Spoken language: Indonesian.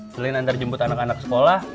selain nanti jemput anak anak sekolah